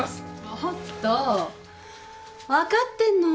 ちょっと分かってるの？